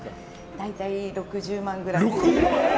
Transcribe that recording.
大体６０万ぐらい。